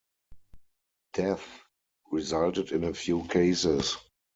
Death resulted in a few cases.